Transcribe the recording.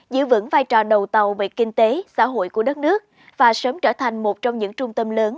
giữ vững vai trò đầu tàu về kinh tế xã hội của đất nước và sớm trở thành một trong những trung tâm lớn